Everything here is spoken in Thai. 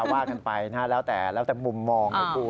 ว่ากันไปแล้วแต่มุมมองให้กู